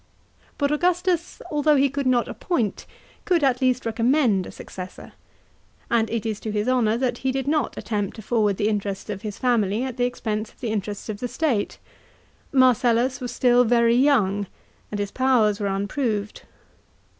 But Augustus, although he could not appoint, could at least recommend, a successor ; and it is to his honour that he did not attempt to forward the interests of his family at the expense of the interests of the state. Marcellus was still very young, and his powers were unproved.